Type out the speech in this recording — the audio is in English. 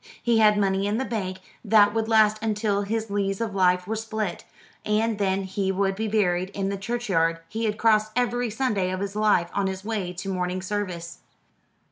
He had money in the bank that would last until his lees of life were spilt, and then he would be buried in the churchyard he had crossed every Sunday of his life on his way to morning service.